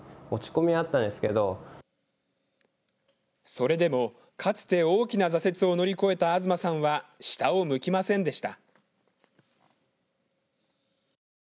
それでもかつて大きな挫折を乗り越えた東さんは、下を向きませんでした。